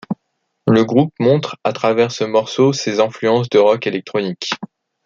Le groupe montre à travers ce morceau ses influences de rock électronique.